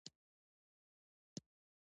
دې ستنو په ځمکه باندې یو نرم پوښ جوړ کړی و